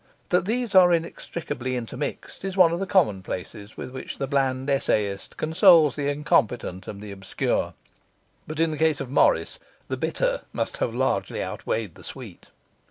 That these are inextricably intermixed is one of the commonplaces with which the bland essayist consoles the incompetent and the obscure, but in the case of Morris the bitter must have largely outweighed the sweet.